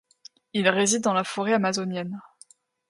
Il réside dans la foret amazonienne.